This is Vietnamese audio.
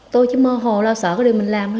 tôi chỉ mơ hồ lo sợ cái điều mình làm thôi